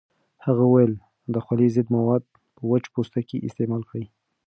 هغه وویل د خولې ضد مواد په وچ پوستکي استعمال کړئ.